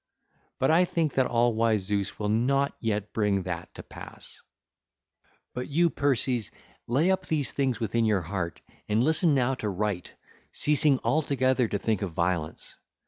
But I think that all wise Zeus will not yet bring that to pass. (ll. 274 285) But you, Perses, lay up these things within your heart and listen now to right, ceasing altogether to think of violence.